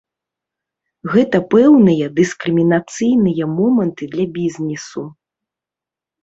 Гэта пэўныя дыскрымінацыйныя моманты для бізнесу.